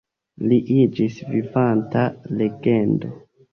Li iĝis vivanta legendo.